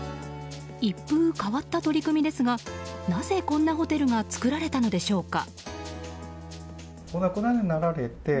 一風変わった取り組みですがなぜこんなホテルが作られたのでしょうか。